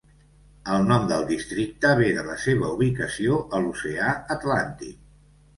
El nom del districte ve de la seva ubicació a l'Oceà Atlàntic.